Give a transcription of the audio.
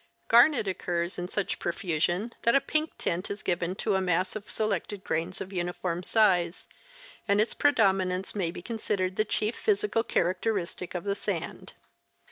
Garnet occurs in such profusion that a pink tint is given to a mass of selected grains of uniform size, and its predominance may be considered the chief physical characteristic of the sand.